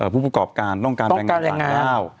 ผู้ประกอบการต้องการแรงงาน